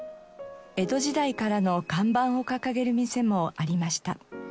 江戸時代からの看板を掲げる店もありました。